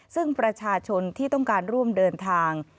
ซึ่งประชาชนที่ต้องการร่วมเดินทาง